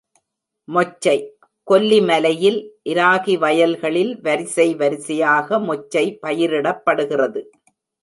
மொச்சை கொல்லிமலையில் இராகி வயல்களில் வரிசை வரிசையாக மொச்சை பயிரிடப்படுகிறது.